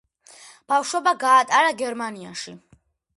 ბავშვობა გაატარა გერმანიაში.